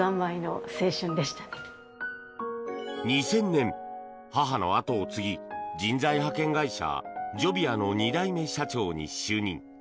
２０００年、母の後を継ぎ人材派遣会社、ジョビアの２代目社長に就任。